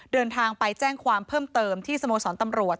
เดินทางไปแจ้งความเพิ่มเติมที่สโมสรตำรวจ